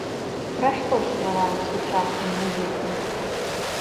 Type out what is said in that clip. Пра што спяваюць сучасныя музыкі?